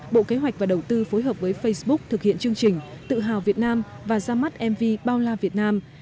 bộ kế hoạch và đầu tư phối hợp với facebook thực hiện chương trình tự hào việt nam và ra mắt mv bao la việt nam